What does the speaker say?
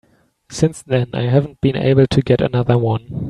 Since then I haven't been able to get another one.